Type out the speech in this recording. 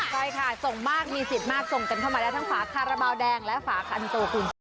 ใช่ค่ะส่งมากมีสิทธิ์มากส่งกันเข้ามาได้ทั้งฝาคาราบาลแดงและฝาคันโตคุณ